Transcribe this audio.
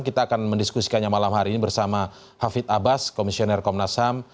kita akan mendiskusikannya malam hari ini bersama hafid abbas komisioner komnas ham